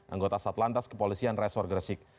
anggota satlantas kepolisian resor gresik